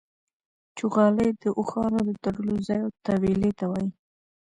چوغالی د اوښانو د تړلو ځای او تویلې ته وايي.